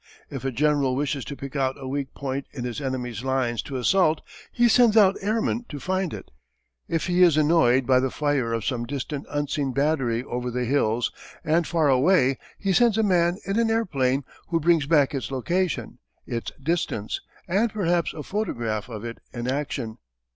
If a general wishes to pick out a weak point in his enemy's line to assault he sends out airmen to find it. If he is annoyed by the fire of some distant unseen battery over the hills and far away he sends a man in an airplane who brings back its location, its distance, and perhaps a photograph of it in action.